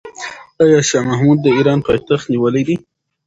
آیا شاه محمود د ایران پایتخت نیولی شي؟